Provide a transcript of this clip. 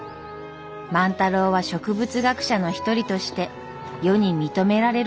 万太郎は植物学者の一人として世に認められることになりました。